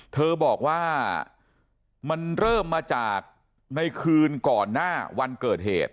เธอบอกว่ามันเริ่มมาจากในคืนก่อนหน้าวันเกิดเหตุ